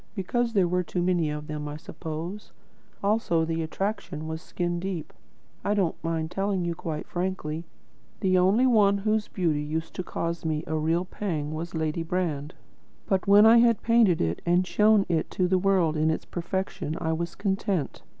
Because there were too many, I suppose. Also, the attraction was skin deep. I don't mind telling you quite frankly: the only one whose beauty used to cause me a real pang was Lady Brand. But when I had painted it and shown it to the world in its perfection, I was content.